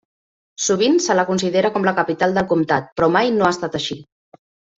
Sovint se la considera com la capital del comtat, però mai no ha estat així.